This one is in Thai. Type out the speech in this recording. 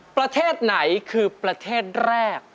ประเทศไหนคือประเทศแรก